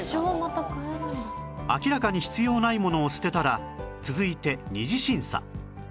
明らかに必要ないものを捨てたら続いて２次審査